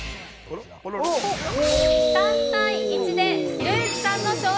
３対１でひろゆきさんの勝利です。